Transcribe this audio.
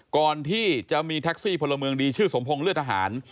ก่อนที่จะมีแท็กซี่พลเมืองดีชื่อสมพงศ์เลือดทหาร